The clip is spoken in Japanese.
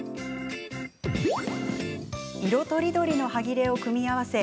色とりどりのはぎれを組み合わせ